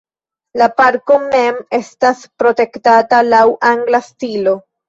La parko mem estas protektata laŭ angla stilo.